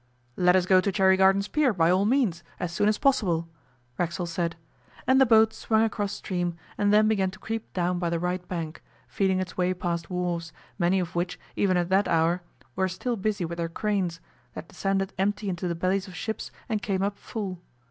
'Let us go to Cherry Gardens Pier by all means, as soon as possible,' Racksole said, and the boat swung across stream and then began to creep down by the right bank, feeling its way past wharves, many of which, even at that hour, were still busy with their cranes, that descended empty into the bellies of ships and came up full.